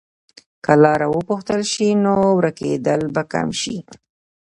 که لاره وپوښتل شي، نو ورکېدل به کم شي.